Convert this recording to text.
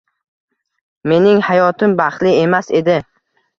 Mening hayotim baxtli emas edi.